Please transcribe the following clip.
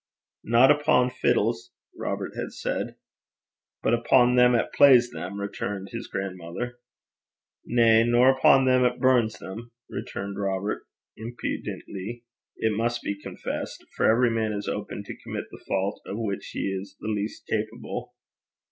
'Nae upo' fiddles,' Robert had said. 'But upo' them 'at plays them,' returned his grandmother. 'Na; nor upo' them 'at burns them,' retorted Robert impudently it must be confessed; for every man is open to commit the fault of which he is least capable.